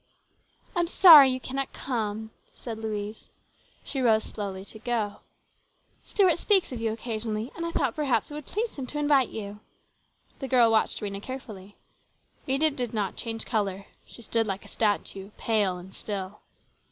" I'm sorry you cannot come," said Louise. She rose slowly to go. " Stuart speaks of you occasion ally, and I thought perhaps it would please him to invite you." The girl watched Rhena carefully. Rhena did not change colour ; she stood like a statue, pale and still.